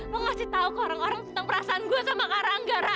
lo ngasih tau ke orang orang tentang perasaan gue sama rangga ra